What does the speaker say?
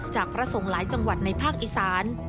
จากพระสงหลายจังหวัดในภาคอิสาน